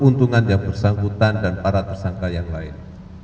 keuntungan yang bersangkutan dan para tersangka yang lain